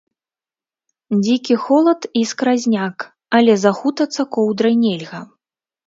Дзікі холад і скразняк, але захутацца коўдрай нельга.